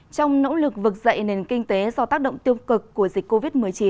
trong nỗ lực vực dậy nền kinh tế do tác động tiêu cực của dịch covid một mươi chín